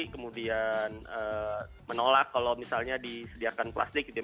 kemudian menolak kalau misalnya disediakan plastik gitu ya